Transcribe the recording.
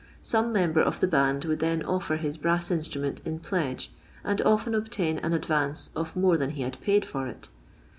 Some member of the band would then offer his brass instrument in pledge, and often obtain an advance of more than he had paid for it.